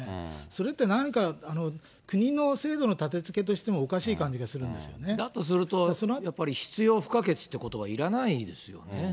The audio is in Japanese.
それって何か国の制度のたてつけとしてもおかしい感じがするんでだとすると、やっぱり必要不可欠ということばいらないですよね。